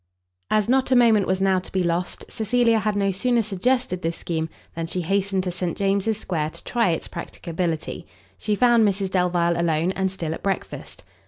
As not a moment was now to be lost, Cecilia had no sooner suggested this scheme, than she hastened to St James's Square, to try its practicability. She found Mrs Delvile alone, and still at breakfast.